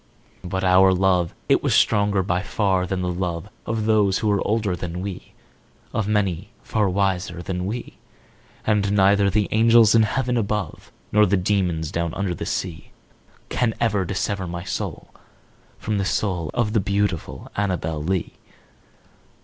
But our love it was stronger by far than the love Of those who were older than we Of many far wiser than we And neither the angels in heaven above, Nor the demons down under the sea, Can ever dissever my soul from the soul Of the beautiful Annabel Lee.